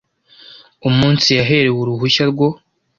umunsi yaherewe uruhushya rwo